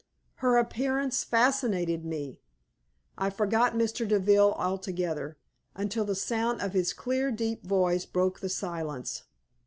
Her appearance fascinated me; I forgot Mr. Deville altogether until the sound of his clear, deep voice broke the silence.